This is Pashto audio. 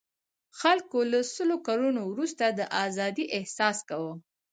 خلکو له سلو کلنو وروسته د آزادۍاحساس کاوه.